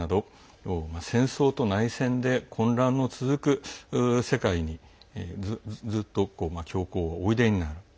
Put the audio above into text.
戦争と内戦で混乱の続く世界にずっと教皇はおいでになる。